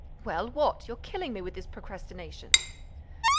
"Well, what? You're killing me with this procrastination!"